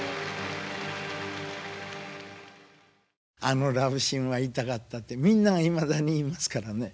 「あのラブシーンは痛かった」ってみんながいまだに言いますからね。